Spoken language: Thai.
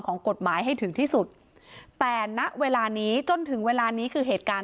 ของกฎหมายให้ถึงที่สุดแต่ณเวลานี้จนถึงเวลานี้คือเหตุการณ์